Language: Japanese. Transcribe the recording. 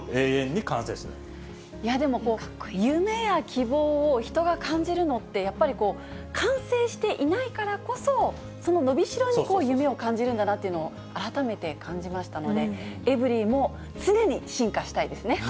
でも、夢や希望を人が感じるのって、やっぱり完成していないからこそ、そののびしろに夢を感じるんだなというのを改めて感じましたので、エブリィも常に進化したいですね。